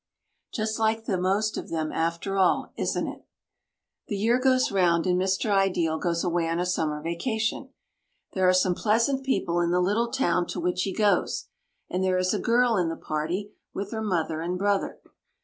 Just like the most of them after all, isn't he? The year goes round and Mr. Ideal goes away on a summer vacation. There are some pleasant people in the little town to which he goes, and there is a girl in the party with her mother and brother.